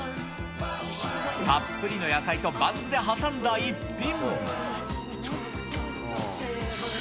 たっぷりの野菜とバンズで挟んだ一品。